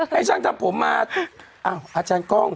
ให้ช่างทำผมมาอ้าวอาจารย์กล้อง